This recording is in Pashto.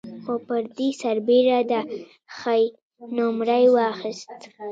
خو پر دې سربېره ده ښې نومرې واخيستې.